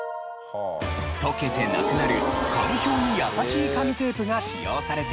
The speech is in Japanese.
溶けてなくなる環境に優しい紙テープが使用されているんです。